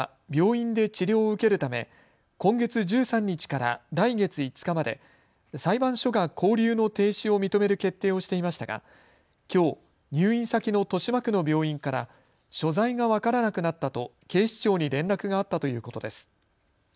東京地方検察庁によりますと磯野被告は病院で治療を受けるため今月１３日から来月５日まで裁判所が勾留の停止を認める決定をしていましたがきょう入院先の豊島区の病院から所在が分からなくなったと警視庁に連絡があったということです。